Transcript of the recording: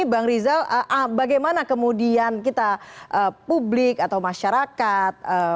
bang rizal bagaimana kemudian kita publik atau masyarakat